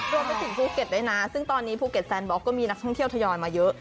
รวมเป็นสิ่งภูเก็ตได้นะซึ่งตอนนี้ภูเก็ตแซนบ็อกซ์ก็มีนักท่องเที่ยวไทยรมาเยอะ